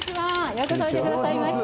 ようこそおいでくださいました。